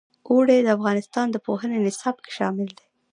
اوړي د افغانستان د پوهنې نصاب کې شامل دي.